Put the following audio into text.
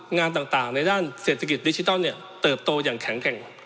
งานต่างในด้านเศรษฐกิจดิจิทัลเติบโตอย่างแข็งแกร่ง